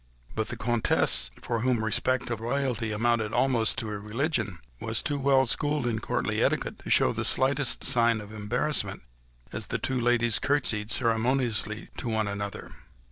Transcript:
But the Comtesse, for whom respect of royalty amounted almost to a religion, was too well schooled in courtly etiquette to show the slightest sign of embarrassment, as the two ladies curtsied ceremoniously to one another.